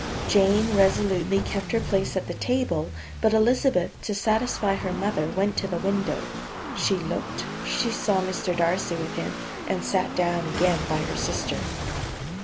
Jane resolutely kept her place at the table; but Elizabeth, to satisfy her mother, went to the window she looked she saw Mr. Darcy with him, and sat down again by her sister.